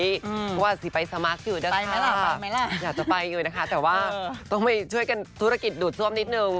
เพราะว่าสิไปสมาร์คอยู่ได้ไหมล่ะอยากจะไปอยู่นะคะแต่ว่าต้องไปช่วยกันธุรกิจดูดซ่วมนิดนึง